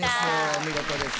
お見事です。